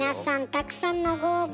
たくさんのご応募